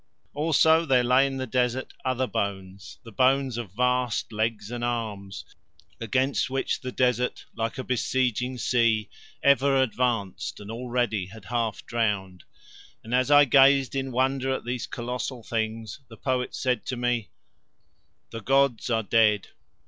Also there lay in the desert other bones, the bones of vast legs and arms, against which the desert, like a besieging sea, ever advanced and already had half drowned. And as I gazed in wonder at these colossal things the poet said to me: "The gods are dead."